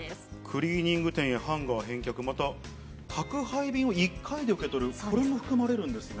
クリーニング店へハンガー返却、また宅配便を１回で受け取る、これも含まれるんですね。